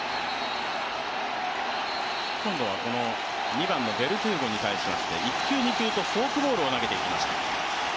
２番のベルドゥーゴに対しまして１球、２球とフォークボールを投げていきました。